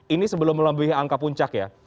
ini sebelum melebihi angka puncak ya